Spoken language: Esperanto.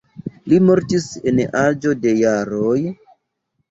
Li mortis en aĝo de jaroj.